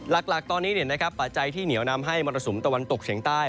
หลักตอนนี้ปัจจัยที่เหนียวนำให้มรสุมตะวันตกเฉียงใต้